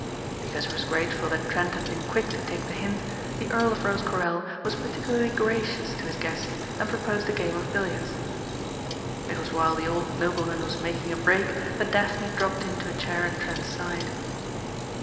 Because he was grateful that Trent had been quick to take the hint the Earl of Rosecarrel was particularly gracious to his guest and proposed a game of billiards. It was while the old nobleman was making a break that Daphne dropped into a chair at Trent's side.